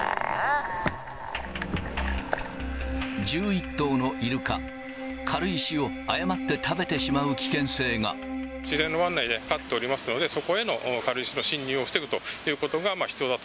１１頭のイルカ、軽石を誤っ自然の湾内で飼っておりますので、そこへの軽石の進入を防ぐということが必要だと。